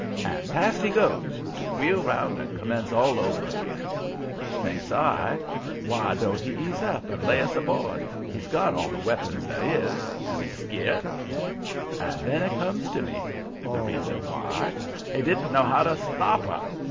And past he goes, to wheel 'round and commence all over again. Thinks I, "Why don't he ease up and lay us aboard? He's got all the weapons there is. Is he scart?" And then it come to me the reason why. HE DIDN'T KNOW HOW TO STOP HER.